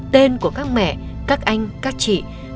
tên của các mẹ các anh các chị đã hóa thành tên đất nước